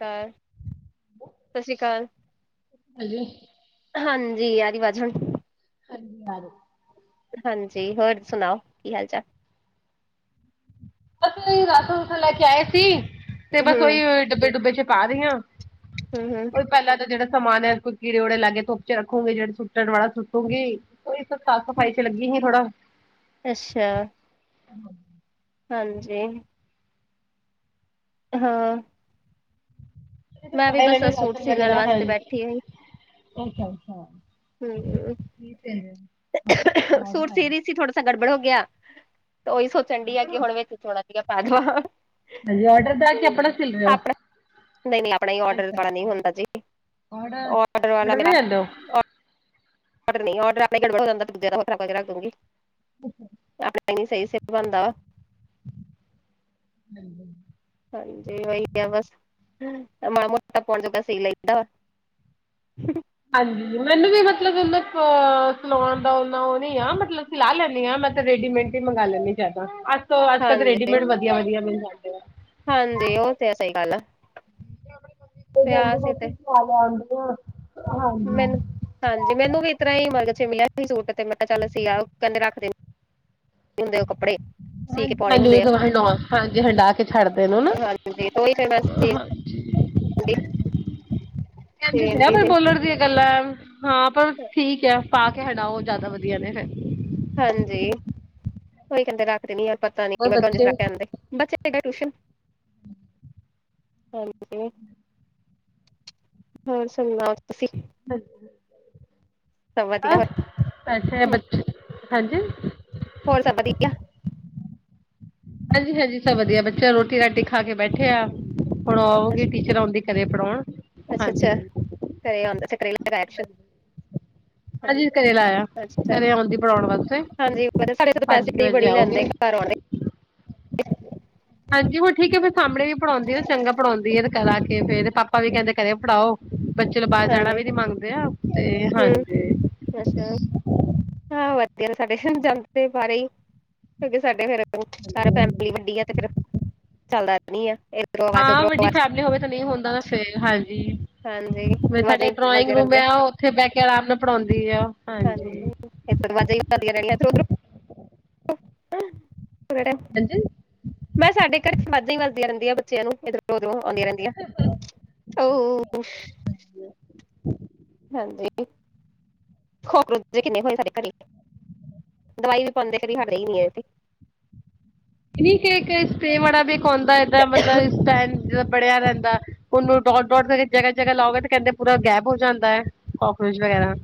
ਸਸ ਸ਼੍ਰੀ ਅਕਾਲ। ਹਾਂਜੀ। ਹਾਂਜੀ, ਆ ਰਈ ਅਵਾਜ਼ ਹੁਣ ਹਾਂਜੀ, ਆਜੋ। ਹਾਂਜੀ, ਹੋਰ ਸੁਣਾਓ ਕੀ ਹਾਲ ਚਾਲ? ਬਸ ਰਾਸਨ-ਰੂਸਨ ਲੈ ਕੇ ਆਏ ਸੀ ਤੇ ਬਸ ਓ ਹੂੰ ਈ ਡੱਬੇ-ਡੁੱਬੇ ਚ ਪਾ ਰਈ ਆਂ ਹੂੰ-ਹੂੰ। ਪੈਲਾ ਤਾਂ ਜੇੜਾ ਸਮਾਨ ਕੋਈ ਕੀੜੇ-ਕੂੜੇ ਲਾਗੇ ਧੁੱਪ ਰੱਖੋਗੇ ਜੇੜੇ ਸੁੱਟਨ ਵਾਲਾ ਸੁ ਹੋਗੀ ਓ ਈ ਸਭ ਸਾਫ਼-ਸਫ਼ਾਈ ਚ ਲੱਗੀ ਸੀ ਥੋੜਾ ਅੱਛਾ ਹਾਂਜੀ ਹਾਂ ਮੈਂ ਵੀ ਬਸ ਸੂਟ ਸੀਲਣ ਵਾਸਤੇ ਬੈਠੀ ਹੋਈ [inaudible] ਹੂੰ, ਠੀਕ ਹੈ। ਜੀ। ਆਪਣਾ ਸੂਟ ਆਰਡਰ ਸੀ ਆਇਆ ਰਈ ਸੀ ਥੋੜਾ ਸਾ ਗੜਬੜ ਹੋ ਗਿਆ ਤੇ ਓ ਈ ਸੋਚਣ ਡਈ ਆ ਆਪਣਾ ਕਿ ਹੁਣ ਵਿੱਚ ਚੋਣਾ ਜੀਆ ਪਾ ਦੇਵਾ ਹਾਂਜੀ, ਔਡਰ ਦਾ ਕੇ ਆਪਣਾ ਸਿਲ ਰਏ ਓ ਨਹੀਂ ਨਹੀਂ ਆਪਣਾ ਹੀ ਔਡਰ ਵਾਲਾ ਨਹੀਂ ਅੱਛਾ-ਅੱਛਾ ਹੁੰਦਾ ਜੀ ਔਡਰ ਵਾਲਾ ਔਡਰ ਮੇਰਾ ਵੀ ਲੈਦੇ ਓ? [inaudible] [unintelligible] ਹਾਂਜੀ ਵਹੀ ਆ ਬਸ ਮਾੜਾ ਮੋਟਾ ਪੌਣ ਜੋਗਾ ਸੀ ਲਈਦਾ [unintelligible] ਹਾਂਜੀ, ਮੈਨੂੰ ਵੀ ਮਤਲਬ ਓਨਾ ਅ ਸਣਾਉਣ ਦਾ ਓਨਾ ਓ ਨੀ ਆ ਮਤਲਬ ਲਾ ਲੈਨੀ ਆ ਮੈਂ ਤਾਂ ਰੇਡੀਮੈਂਟ ਹੀ ਮੰਗਾ ਲੈਂਦੀ ਜਿਆਦਾ ਅੱਜਕੱਲ ਤਾਂ ਹਾਂਜੀ ਰੈਡੀਮੇਟ ਵਧੀਆ-ਵਧੀਆ ਮਿਲ ਜਾਂਦੇ ਆ ਹਾਂਜੀ ਓ ਤੇ ਸਈ ਗੱਲ ਆ ਜਾਂਦੀ ਮੈ ਤੇ ਉੱਥੇ ਪਿਆ ਸੀ ਤੇ ਲੈ ਆਂਦੀ ਆ। ਹਾਂਜੀ ਮੈਨੂੰ ਹਾਂਜੀ ਮੈਨੂੰ ਵੀ ਈਸ ਤਰ੍ਹਾਂ ਹੀ ਮਰਗ ਚ ਮਿਲਿਆ ਸੀ ਸੂਟ ਤੇ ਮੈਂ ਕਿਆ ਚੱਲ ਸੀਆ ਕੈਂਦੇ ਰੱਖਦੇ ਹੁੰਦੇ ਕੱਪੜੇ ਹ ਸੀ ਕੇ ਪਾਉਣੇ ਹਾਂਜੀ, ਹੁੰਦੇ ਆ ਓ ਹੰਡਾ ਹਾਂਜੀ ਹੰਡਾ ਕੇ ਛਡਦੇ ਨੇ ਨਾ ਹਾਂਜੀ ਤੇ ਉਹੀ ਫਿਰ ਮੈਂ ਸੀਨ ਹਾਜੀਂ। ਕੈਹਦੇ ਤਾ ਹੈ ਦੀ ਪਰ ਸੀ ਬੋਲਣ ਦੀਆਂ ਗੱਲਾਂ ਆ---ਆ ਹਾਂ ਪਰ ਠੀਕ ਐ ਪਾ ਕੇ ਹੰਡਾੳ ਓ ਜ਼ਿਆਦਾ ਵਧੀਆ ਨੇ ਫੇਰ ਹਾਂਜੀ, ਕੋਈ ਕਹਿੰਦੇ ਰੱਖਦੇ ਨੀ ਯਾਰ ਪਤਾ ਨੀ ਹੋਰ ਮੈਂ ਕਿਆ ਬੱਚੇ ਜਿਸਾ ਕੈਦੇ ਬੱਚੇ ਡਾ ਟਿਊਸ਼ਨ ਹਾਂਜੀ ਹੋਰ ਸੁਣਾੳ ਤੁਸੀਂ? [unintelligible] ਸਭ ਵਧੀਆ ਬੈਠੇ ਆ ਹੋਰ ਬੱਚੇ ਹਾਂਜੀ। ਹੋਰ ਸਬ ਵਧੀਆ? ਹਾਂਜੀ- ਹਾਂਜੀ ਸਭ ਵਧੀਆ ਬੱਚੇ ਰੋਟੀ- ਰਾਟੀ ਖਾ ਕੇ ਬੈਠੇ ਆ, ਹੁਣ ਆਓਗੀ ਟੀਚਰਾਂ ਆਂਦੀ ਘਰੇ ਪੜਾਉਣ। ਅੱਛਾ- ਅੱਛਾ ਘਰੇ ਆਉਂਦੇ ਘਰੇ ਲਗਾਇਆ ਟਿਊਸ਼ਨ। [inaudible] ਹਾਂਜੀ ਘਰੇ ਲਾਇਆ, ਅੱਛਾ ਘਰੇ ਆਉਂਦੀ ਪੜਾਉਣ ਵਾਸਤੇ ਪੰਜ ਕੇ ਵਜੇ ਆਉਗੀ। ਘਰੇ ਆਊਨੇ। ਹਾਂਜੀ ਹੁਣ ਠੀਕ ਫੇਰ ਸਮਣੇ ਵੀ ਧੜਾਉਂਦੀ ਆ ਉਹ ਚੰਗਾ ਪੜਾਉਦੀ ਤੇ ਘਰ ਆਕੇ ਫੇਰ ਪਾਪਾ ਵੀ ਕਹਿੰਦੇ ਘਰੇ ਪੜਾਓ। ਬੱਚੇ ਤਾਂ ਬਾਹਰ ਜਾਣਾ ਹਾਂਜੀ ਵੀ ਨੀ ਮੰਗਦੇ ਆ ਤੇ, ਹੂੰ ਹਾਂਜੀ। ਅੱਛਾ ਜੀ। ਹਾਂ ਵਧੀਆ ਸਾਡੇ ਜਾਂਦੇ ਬਾਰੇ ਹੀ, ਕਿਉਂਕਿ ਸਾਡੇ ਫੇਰ ਸਾਰੇ ਫੈਮਲੀ ਵੱਡੀ ਆ ਤੇ ਫੇਰ ਚੱਲਦਾ ਨਹੀ ਆ, ਫੇਰ ਹਾਂ ਵੱਡੀ ਫੈਮਿਲੀ ਹੋਵੇ ਤਾਂ ਨਹੀਂ ਹੁੰਦਾ ਨਾ ਫੇਰ ਹਾਂਜੀ। ਹਾਂਜੀ ਫੇਰ ਆਵਾਜ਼ਾਂ ਸਾਡੇ ਹੀ ਡਰਾਇੰਗ ਵੱਜਦੀਆਂ ਰੂਮ ਰਹਿੰਦੀਆਂ ਆ, ਉੱਥੇ ਬਹਿ ਕੇ ਆਰਾਮ ਨਾਲ ਪੜਾਉਂਦੀ ਆ ਉਹ। ਹਾਂਜੀ ਵਜ ਵਧ [unintelligible] ਹ [inaudible] ਹਾਂਜੀ। ਮੈਂ ਸਾਡੇ ਘਰੇ ਵਾਜਾ ਹੀ ਵਜਦੀਆਂ ਰਹਿੰਦੀਆਂ ਬੱਚਿਆਂ ਨੂੰ ਇਧਰੋਂ- ਉਧਰੋਂ ਆਉਂਦੀਆਂ ਰਹਿੰਦੀਆਂ। ਓ ਹੋ ਹਾਂਜੀ ਹੋਰ ਬੱਚੇ ਕਿੰਨੇ ਤੁਹਾਡੇ ਘਰੇ? ਦਵਾਈ ਵੀ ਪਾਉਂਦੇ ਕਦੀ ਹਟਦੇ ਹੀ ਨਹੀਂ ਇਹ ਤੇ। ਨ ਕਿ ਇੱਕ ਸਟੇ ਵਾਲਾ ਵੀ ਇੱਕ ਆਉਂਦਾ ਏਦਾਂ ਮਤਲਬ ਇਸ ਟੈਮ ਬਣਿਆ ਰਹਿੰਦਾ। ਉਹਨੂੰ ਡੌਟ- ਡੋਟ ਕਰਕੇ ਜਗਾ-ਜਗਾ ਲਾਓਗੇ ਤੇ ਕਹਿੰਦੇ ਪੂਰਾ ਗੈਪ ਹੋ ਜਾਂਦਾ ਹੈ, ਕਾਕਰੋਚ ਵਗੈਰਾ।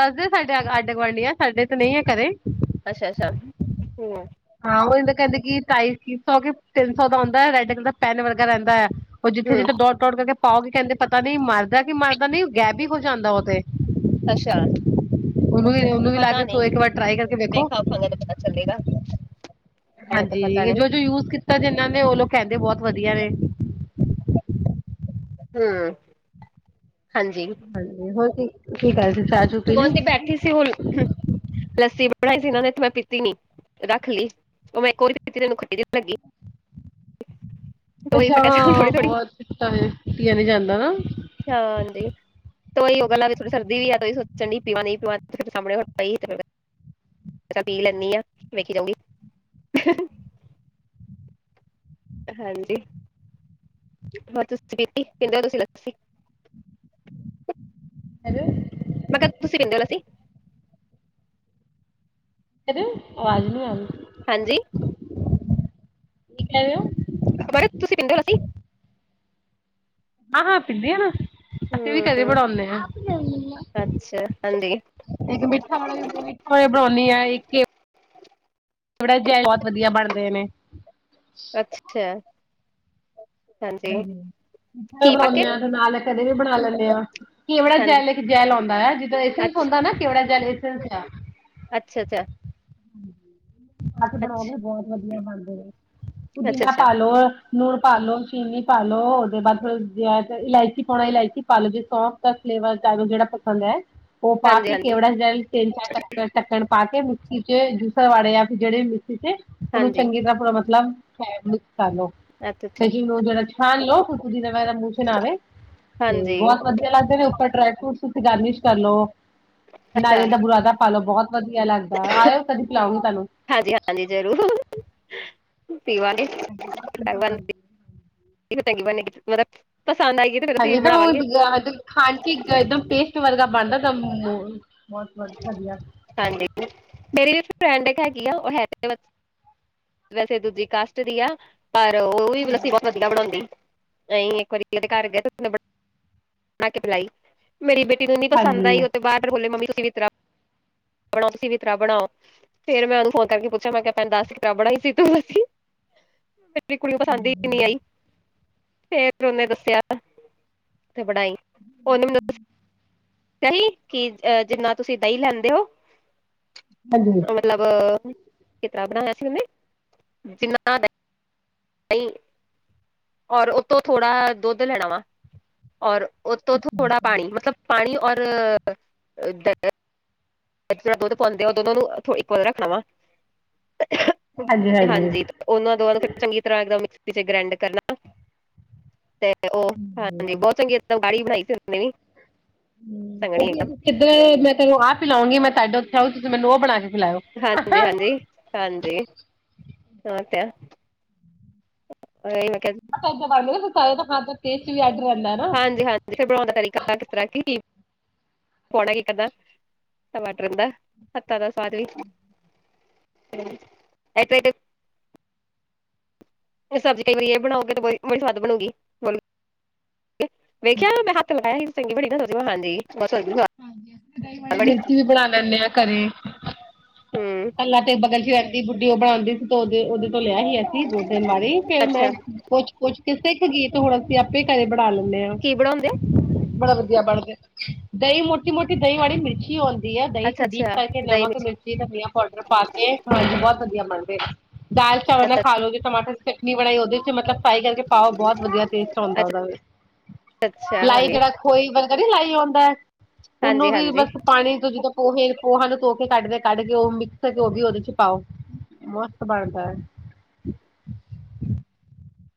ਦੱਸਦੇ ਸਾਡੇ ਅੱਡ ਗੁਆਂਢੀਆਂ, ਸਾਡੇ ਤੇ ਨਹੀਂ ਹੈ ਘਰੇ। ਅੱਛਾ- ਅੱਛਾ ਹੁੰ। ਹਾਂ ਉਹੀ ਮੈਂ ਕਹਿੰਦੀ ਕਿ ਢਾਈ ਸੌ ਕਿ, ਤਿੰਨ ਸੌ ਦਾ ਆਓਂਦਾ ਏ ਰੈੱਡ ਕਲਰ ਦਾ ਪੈਨ ਵਰਗਾ ਰਹਿੰਦਾ ਹੈ। ਉਹ ਜਿੱਥੇ- ਹੂੰ ਜਿੱਥੇ ਡੋਟ- ਡੋਟ ਕਰਕੇ ਪਾਓਗੇ ਕਹਿੰਦੇ ਪਤਾ ਨਹੀਂ ਮਰਦਾ ਕਿ ਮਰਦਾ ਨਹੀਂ ਉਹ ਗੈਬ ਵੀ ਹੋ ਜਾਂਦਾ ਉਹ ਤੇ। ਅੱਛਾ ਉਹਨੂੰ ਵੀ ਉਹਨੂੰ ਵੀ ਲਾ ਕੇ ਸੋ ਇੱਕ ਵਾਰ ਟਰਾਈ ਕਰਕੇ ਵੇਖੋ। ਹਾਂ ਤੇ ਪਤਾ ਚੱਲੇਗਾ। ਐਵੇਂ ਤਾਂ ਪਤਾ ਹਾਂਜੀ ਨੀ ਜੋ- ਜੋ ਯੂਜ ਕੀਤਾ ਜਿਹਨਾਂ ਨੇ, ਉਹ ਲੋਕ ਕਹਿੰਦੇ ਬਹੁਤ ਵਧੀਆ ਏ। ਹੂੰ, ਹਾਂਜੀ। ਹੋਰ ਕੀ ਕੀ ਕਰ ਸੀ ਚਾਹ ਚੂ ਪੀ ਕੋਈ ਲਈ ਨਹੀ ਬੈਠੀ ਸੀ ਹੁਣ। ਲੱਸੀ ਬਣਾਈ ਸੀ ਇਹਨਾਂ ਨੇ, ਮੈਂ ਪੀਤੀ ਨੀ। ਰੱਖ ਲਈ ਉਹ ਮੈਂ ਇਕੋ ਵਾਰ ਪੀਤੀ ਤੇ ਮੈਨੂੰ ਖੱਟੀ ਜਿਹੀ ਲਗੀ। ਮੈਂ ਅੱਛਾ ਕਿਹਾ ਚੱਲ ਹਾਂ ਥੋੜੀ ਥੋੜੀ ਬਹੁਤ ਖੱਟਾ ਪੀਆ ਨੀ ਜਾਂਦਾ ਨਾ। ਹਾਂ ਜੀ। ਤਾਂ ਉਹੀ ਉਹ ਗੱਲਾਂ ਵੀ ਥੋੜ ਸਰਦੀ ਵੀ ਆ ਤਾਂ ਉਹੀ ਸੋਚਣ ਡੀ ਪੀਵਾਂ ਨਹੀਂ ਪੀਵਾ ਫੇਰ ਸਾਹਮਣੇ ਪਾਈ ਫ- ਮੈਂ ਕਿਹਾ ਪੀ ਲੈਂਦੀ ਆ, ਵੇਖੀ ਜਾਊਗੀ। ਹਾਂਜੀ ਹੋ ਤੁਸੀ ਪੀਤੀ, ਪੀਂਦੇ ਹੋ ਤੁਸੀਂ ਲੱਸੀ? ਹੈਲੋ। ਮੈਂ ਕਿਹਾ ਤੁਸੀਂ ਪੀਂਦੇ ਹੋ ਲੱਸੀ? ਕਿਦੇ ਆਵਾਜ਼ ਨਹੀਂ ਆਉਂਦੀ। ਹਾਂਜੀ। ਕੀ ਕਹਿ ਰਹੇ ਓ? ਮੈਂ ਕਹਿ ਰਹੀ ਆ ਤੁਸੀਂ ਪਿੰਦੇ ਹੋ ਲੱਸੀ? ਹਾਂ ਹਾਂ ਪੀਦੀ ਆ ਨਾ, ਅਸੀਂ ਵੀ ਕਦੇ ਹੂੰ ਬਨਾਉਣੇ ਆਂ। [unintelligible] ਅੱਛਾ ਹਾਂਜੀ ਇੱਕ ਮਿੱਠਾ ਵਾਲੇ ਵੀ ਮਿੱਠਾ ਵਾਲੇ ਬਣਾਉਂਦੀ ਆ ਇੱਕ। ਥੋੜਾ ਜਿਹਾ ਬਹੁਤ ਵਧੀਆ ਬਣਦੇ ਨੇ। ਪਰ ਚਿਥਿਆ। ਹਾਂਜੀ ਹਾਂਜੀ, [unintelligible] ਘੀ ਪਾ ਕੇ ਬਣਾਉਂਦੇ ਆਂ ਤੇ ਨਾਲ ਕਦੇ ਵੀ ਬਣਾ ਲੈਣੇ ਆਂ। ਕੇਵੜਾ ਹਾਂਜੀ ਜੈਲ ਇੱਕ ਜੈਲ ਆਉਂਦਾ ਆ, ਜਿਦਾਂ ਏਸ ਅੱਛਾ ਹੁੰਦਾ ਨਾ ਕੇਵੜਾ ਜੈਲ ਸ ਅੱਛਾ ਅੱਛਾ। ਅਸੀਂ ਬਣਾਉਂਦੇ ਅੱਛਾ ਆ ਬਹੁਤ ਵਧੀਆ ਬਣਦੇ ਨੇ, ਅੱਛਾ ਪੁਦੀਨਾ ਅੱਛਾ ਪਾਲ ਲੋ ਲੂਣ ਪਾਲ ਲੋ, ਚੀਨੀ ਪਾ ਲੋ, ਉਹਦੇ ਬਾਅਦ ਫਿਰ ਜਿਆ ਇਲਾਇਚੀ ਪਾਉਣਾ ਇਲਾਇਚੀ ਪਾ ਲੋ, ਜੇ ਸੌ ਫਲੇਵਰ ਤੁਹਾਨੂੰ ਜਿਹੜਾ ਪਸੰਦ ਐ। ਉਹ ਪਾ ਹਾਂਜੀ ਕੇ ਹਾਂਜੀ ਕੇਵੜਾ ਜਲ ਤਿੰਨ-ਚਾਰ ਟੱਕਣ ਟੱਕਣ ਪਾ ਕੇ ਮੀਕਸੀ ਚ ਜੂਸਰ ਵਾਲੇ ਜਾਂ ਫਿਰ ਜਿਹੜੇ ਮਿਕਸੀ ਚ ਉਹਨੂੰ ਹਾਂਜੀ ਚੰਗੀ ਤਰ੍ਹਾਂ ਪੂਰਾ ਮਤਲਬ ਮਿਕਸ ਕਰ ਲੋ। ਅੱਛਾ ਅੱਛਾ ਕਿਸ ਨੂੰ ਜਿਹੜਾ ਛਾਣ ਲੋਓ [unintelligible] ਮੂਹ ਨਾ ਆਵੇ ਤੇ ਹਾਂਜੀ ਬਹੁਤ ਵਧੀਆ। ਤੇ ਜਾਂ ਫਿਰ [unintelligible] ਡਰਾਈ ਫਰੂਟਸ ਤੁਸੀਂ ਗਾਰਨਿਸ਼ ਕਰ ਲੋ, ਅੱਛਾ ਨਾਰੀਅਲ ਦਾ ਬੁਰਾਦਾ ਪਾਲੋ ਬੋਹਤ ਵਧੀਆ ਲੱਗਦਾ, ਆਇਓ ਕਦੀ ਪਿਲਾਉਂਗੀ ਤੁਹਾਨੂੰ। ਹਾਂਜੀ-ਹਾਂਜੀ, ਜ਼ਰੂਰ ਪੀਵਾਂਗੇ। ਹਾਂਜੀ ਬਹੁਤ ਵਧੀਆ ਬਣਦਾ [inaudible] ਤੇ ਫਿਰ [inaudible] ਅਸੀਂ ਬਣਾਵਾਂਗੇ ਵਰਗਾ ਬਣਦਾ ਤਾਂ ਮੋ, ਬੋਤ ਵਧੀਆ। ਹਾਂਜੀ ਮੇਰੀ ਵੀ ਫਰੈਂਡ ਇਕ ਹੈਗੀ ਆ ਓ [unintelligible] ਵੈਸੇ ਦੂਜੀ ਕਾਸਟ ਦੀ ਆ। ਪਰ ਓ ਵੀ ਲੱਸੀ ਬਹੁਤ ਵਧੀਆ ਬਣੋਂਦੀ ਅਸੀਂ ਇੱਕ ਵਾਰੀ ਓਦੇ ਘਰ ਗਏ [unintelligible] ਬਣਾ ਕੇ ਪਿਲਾਈ, ਮੇਰੀ ਬੇਟੀ ਨੂੰ ਨੀ ਪਸੰਦ ਹਾਂਜੀ ਆਈ ਓ ਤੇ ਬਾਰ ਬੋਲੇ ਮੰਮੀ ਤੁਸੀਂ ਵੀ [unintelligible] ਬਣਾਓ, ਤੁਸੀਂ ਵੀ ਇਤਰਾਂ ਬਣਾਓ। ਫੇਰ ਮੈਂ ਓਨੂੰ ਫੋਨ ਕਰ ਪੁੱਛਿਆ ਮੈਂ ਕਿਆ ਭੈੈਂਨ ਦੱਸ [unintelligible] ਬਣਾਈ ਸੀ ਤੂੰ ਲੱਸੀ। [unintelligible] ਮੇਰੀ ਕੁੜੀ ਨੂੰ ਪਸੰਦ ਈ ਨੀ ਆਈ, ਫੇਰ ਓਨੇ ਦੱਸਿਆ। ਤੇ ਬਣਾਈ ਓਨੇ ਮੈਂਨੂੰ [unintelligible] [unintelligible] ਕੀ ਜਿੰਨਾ ਤੁਸੀਂ ਦਹੀਂ ਲੈਂਦੇ ਹੋ ਹਾਂਜੀ ਮਤਲਬ ਕੀ ਤਰ੍ਹਾਂ ਬਣਾਇਆ ਸੀ ਓਨੇ ਜਿੰਨਾ ਔਰ ਉਤੋਂ ਥੋੜਾ ਦੁੱਧ ਲੈਣਾ ਵਾ ਔਰ ਓ ਤੋਂ ਥੋੜਾ ਪਾਣੀ ਮਤਲਬ ਪਾਣੀ ਔਰ [unintelligible] ਵਿਚ ਜੇੜਾ ਦੁੱਧ ਪੋਂਦੇ ਆ ਦੋਨਾਂ ਨੂੰ ਇਕੁਅਲ ਰੱਖਣਾ ਵਾ ਹਾਂਜੀ। ਓਨਾਂ ਦੋਆ ਨੂੰ ਫੇਰ ਚੰਗੀ ਤਰ੍ਹਾਂ ਮਿਕਸੀ ਚ ਗ੍ਰੈਂਡ ਕਰਨਾ ਤੇ ਤੇ ਓ ਹਾਂਜੀ ਬੋ ਚੰਗੀ [unintelligible] ਬਣਾਈ ਉਹਨੇ ਵੀ ਹਂ ਸੰਘਣੀ ਇੱਕਦਮ [unintelligible] ਮੈਂ ਤੈਨੂੰ ਆ ਪਿਲਾਉਂਗੀ, ਮੈਂ ਤੁਹਾਡੇ ਉੱਥੇ ਆਉ ਤੁਸੀਂ ਮੈਨੂੰ ਓ ਬਣਾ ਕੇ ਪਿਲਾਇਓ। ਹਾਂਜੀ-ਹਾਂਜੀ। ਹਾਂਜੀ [unintelligible] ਉਹੀ ਮੈਂ ਕਿਆ ਜੀ। [inaudible] ਹਾਂ ਤਾਂ ਕੇਸ ਦੇ ਬਾਰੇ [unintelligible] ਹੱਥ ਦਾ ਟੇਸਟ ਵੀ ਅੱਡ ਰੈਂਦਾ ਨਾ। ਹਾਂਜੀ-ਹਾਂਜੀ, ਫਿਰ ਬਣਾਣ ਦਾ ਤਰੀਕਾ ਕਿਸ ਤਰ੍ਹਾਂ ਕੀ ਪੌੜਾ ਕਿਟ ਦਾ, ਟਮਾਟਰ ਦਾ ਹੱਤਾ ਦਾ ਸਵਾਦ ਵੀ। [unintelligible] ਸਬਜ਼ੀ ਕਈ ਵਾਰੀ ਏ ਬਣਾਓਗੇ ਤਾਂ ਬ ਬੜੀ ਸਵਾਦ ਬਣੂਗੀ। ਵੇਖਿਆ ਮੈਂ ਹੱਥ ਲਗਾਇਆ ਸੀ ਚੰਗੀ [inaudible] ਹਾਂਜੀ। [unintelligible] ਹਾਂਜੀ ਅਸੀਂ ਦਈ ਵਾਲੀ ਬੜੀ। ਮਿਰਚੀ ਵੀ ਬਣਾ ਲੈਂਨੇ ਆਂ ਘਰੇ। ਹੂੰ ਪੈਲਾਂ ਤੇ ਬਗਲ 'ਚ ਰੈਂਦੀ ਬੁੱਡੀ, ਓ ਬਣਾਂਦੀ ਸੀ ਤੇ ਓਦੇ ਓਦੇ ਤੋਂ ਲਿਆ [unintelligible] ਨਈ ਦੋ ਤਿੰਨ ਵਾਰੀ, ਫੇਰ ਮੈਂ ਅੱਛਾ ਪੁੱਛ-ਪੁੱਛ ਕੇ ਸਿੱਖਗੀ, ਹੁਣ ਅਸੀਂ ਆਪੇ ਈ ਘਰੇ ਬਣਾ ਲੈਂਨੇ ਆ। ਕੀ ਬਣਾਉਂਦੇ ਬੜਾ ਵਧੀਆ ਬਣਦੇ, ਦਈ ਮੋਟੀ-ਮੋਟੀ ਦਈ ਵਾਲੀ ਮਿਰਚੀ ਓੰਨ ਦੀ ਐ ਦਈ ਅੱਛਾ ਚ' ਡੀਪ ਅੱਛਾ ਕਰਕੇ ਦਹੀਂ ਨਮਕ, ਮਿਰਚ ਮਿਰਚੀ, ਤਨੀਆ ਮਟਰ ਪਾ ਕੇ ਬੋਤ ਵਧੀਆ ਬਣਦੇ, ਦਾਲ- ਚਾਵਲ ਨਾਲ ਅੱਛਾ ਅੱਛਾ ਖਾਲੋ। ਟਮਾਟਰ ਦੀ ਚਟਨੀ ਬਣਾਈ, ਓਦੇ ਚ' ਮਤਲਬ [unintelligible] ਫਰਾਈ ਕਰਕੇ ਪਾਓ, ਬੋਤ ਵਧੀਆ ਟੇਸਟ ਔਂਦਾ ਓਦਾ ਅੱਛਾ ਵੀ। ਅੱਛਾ ਲਾਈ ਹਾਂਜੀ ਜੇੜਾ [unintelligible] ਕੋਈ ਵਰਗਾ ਨ ਲਾਈ ਓੰਦੈ, ਓਨੂੰ ਹਾਂਜੀ ਵੀ ਹਾਂਜੀ ਬਸ ਪਾਣੀ ਜਦੋਂ ਪੋਹੇ, ਪੋਹਾਂ ਨੂੰ ਧੋ ਕੇ ਕੱਢਦੇ ਕੱਢ ਕੇ ਓ ਹੋਗੀ ਓਦੇ ਚ' ਪਾਓ, ਮਸਤ ਬਣਦੈ।